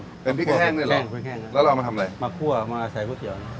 แล้วเราเอามาทำอะไรมาคั่วมาใส่พริกหัวเดือน